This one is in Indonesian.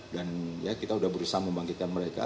dan ya kita sudah berusaha membangkitkan mereka